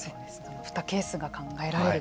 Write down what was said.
２ケースが考えられる。